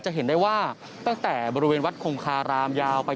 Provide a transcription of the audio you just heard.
เห็นได้ว่าตั้งแต่บริเวณวัดคงคารามยาวไป